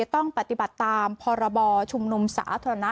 ต้องปฏิบัติตามพรบชุมนุมสาธารณะ